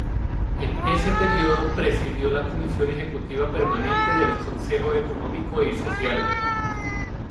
En ese período, presidió la Comisión Ejecutiva Permanente del Consejo Económico y Social.